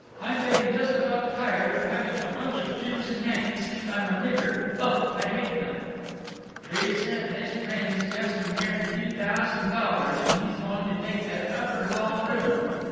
I'm getting just about tired of having a bunch of Jews and Yankees think I'm a nigger. Uff! I hate them!" "T'resa, Mist' Wrenn's just inherited two thousand dollars, and he's going to take that upper hall room."